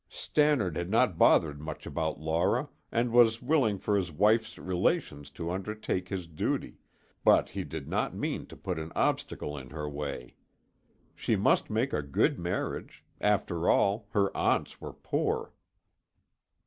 Stannard had not bothered much about Laura and was willing for his wife's relations to undertake his duty, but he did not mean to put an obstacle in her way. She must make a good marriage; after all, her aunts were poor.